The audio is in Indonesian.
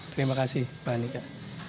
terima kasih pak andika